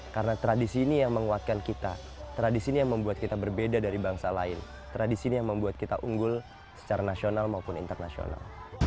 karena tradisi ini yang menguatkan kita tradisi ini yang membuat kita berbeda dari bangsa lain tradisi ini yang membuat kita unggul secara nasional maupun internasional